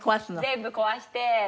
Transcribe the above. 全部壊して。